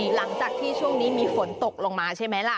หลังจากที่ช่วงนี้มีฝนตกลงมาใช่ไหมล่ะ